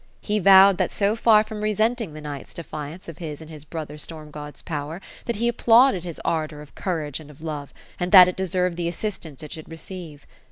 He vowed that so far from resenting the knight's defiance of his and his brother storm gods' power, that he applauded his ardor of courage and of love, and that it deserved the assistance it should receive.